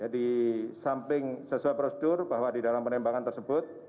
disamping sesuai prosedur bahwa di dalam penembakan tersebut